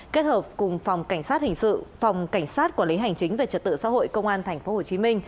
kết hợp cùng phòng cảnh sát quản lý hành chính về trật tự xã hội công an tp hcm